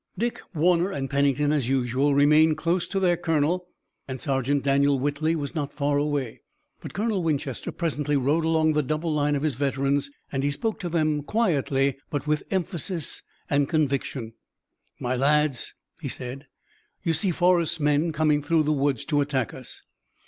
Dick, Warner, and Pennington, as usual, remained close to their colonel, and Sergeant Daniel Whitley was not far away. But Colonel Winchester presently rode along the double line of his veterans, and he spoke to them quietly but with emphasis and conviction: "My lads," he said, "you see Forrest's men coming through the woods to attack us.